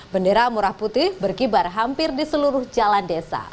bendera merah putih berkibar hampir di seluruh jalan desa